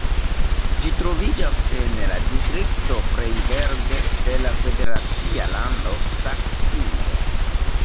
Ĝi troviĝas en la distrikto Freiberg de la federacia lando Saksio.